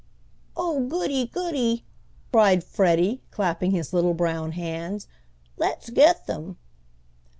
"Oh goody! goody!" cried Freddie, clapping his little brown hands. "Let's get them."